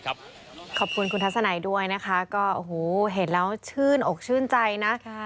ขอบคุณคุณทัศน์ไหนด้วยเห็นแล้วชื่นออกชื่นใจนะ